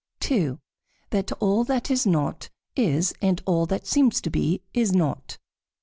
2. That all that is not, is, and all that seems to be, is not.